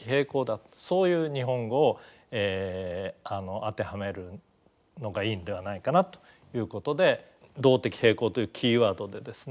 そういう日本語を当てはめるのがいいんではないかなということで動的平衡というキーワードでですね